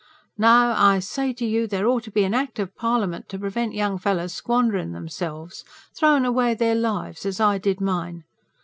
No! I say to you, there ought to be an Act of Parliament to prevent young fellows squanderin' themselves, throwin' away their lives as I did mine.